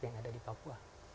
yang ada di papua